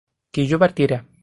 que yo partiera